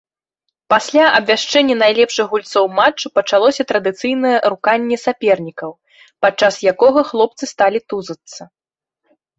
Пасля абвяшчэння найлепшых гульцоў матчу пачалося традыцыйнае руканне сапернікаў, падчас якога хлопцы сталі тузацца.